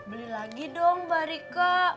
beli lagi dong mbak rika